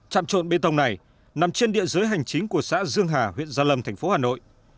trạm trộn bê tông này nằm trên địa giới hành chính của xã dương hà huyện gia lâm thành phố hà nội